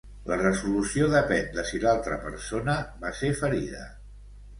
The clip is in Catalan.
La resolució depèn de si l'altra persona va ser ferida.